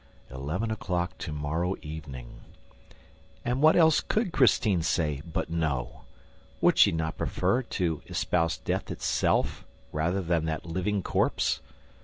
Eleven o'clock to morrow evening! ... And what else could Christine say but no? Would she not prefer to espouse death itself rather than that living corpse?